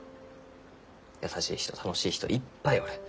優しい人楽しい人いっぱいおる。